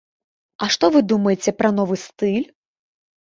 А што вы думаеце пра новы стыль?